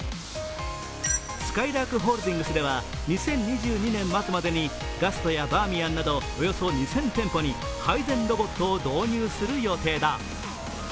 すかいらーくホールディングスでは２０２２年末までにガストやバーミヤンなどおよそ２０００店舗に配膳ロボットを導入する予定だ。